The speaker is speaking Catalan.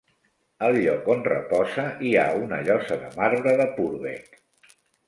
Al lloc on reposa hi ha una llosa de marbre de Purbeck.